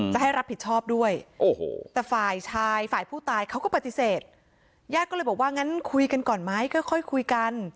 จะให้รับผิดชอบด้วยโอ้โหแต่ฝ่ายชายฝ่ายผู้ตายเขาก็ปฏิเสธญาติก็เลยบอกว่างั้นคุยกันก่อนไหมก็ค่อยคุยกัน